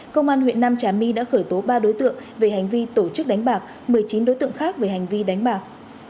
công an huyện nam trà my đã khởi tố ba đối tượng về hành vi tổ chức đánh bạc một mươi chín đối tượng khác về hành vi đánh bạc